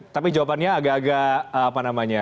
tapi jawabannya agak agak